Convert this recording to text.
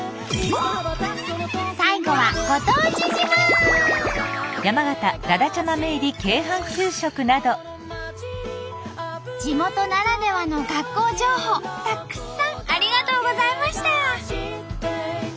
最後は地元ならではの学校情報たくさんありがとうございました！